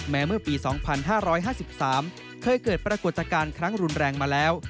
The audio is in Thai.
เมื่อปี๒๕๕๓เคยเกิดปรากฏการณ์ครั้งรุนแรงมาแล้ว